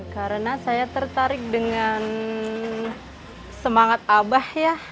karena saya tertarik dengan semangat abah ya